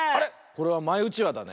これはマイうちわだね。